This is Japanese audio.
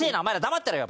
黙ってろよ。